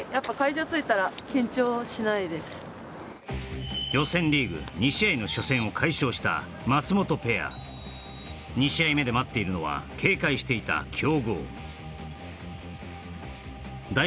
はい予選リーグ２試合の初戦を快勝した松本ペア２試合目で待っているのは警戒していた強豪第５